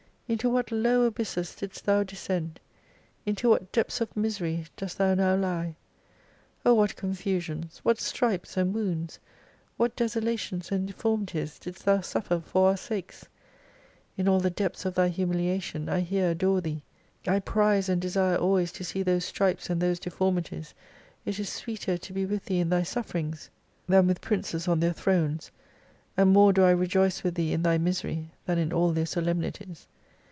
Into what low abysses didst Thou descend, into what depths of misery dost Thou now lie ! Oh what confusions, what stripes and wounds, what desolations and deformities didst Thou suffer for our sakes ! In aU the depths of Thy humili ation I here adore Thee ! I prize and desire always to see those stripes and those deformities. It issweeter to be with Thee in Thy sufferings, than with princes on their 67 Thrones, and more do I rejoice with Thee in Thy misery, than in all their solemnities.